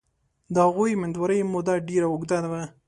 د هغوی امیندوارۍ موده ډېره اوږده وه.